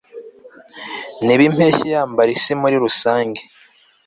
Niba impeshyi yambara isi muri rusange